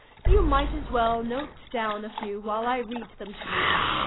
You might as well note down a few while I read them to you.